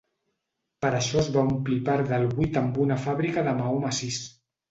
Per això es va omplir part del buit amb una fàbrica de maó massís.